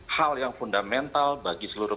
hal yang fundamental bagi seluruh